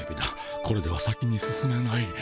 これでは先に進めない。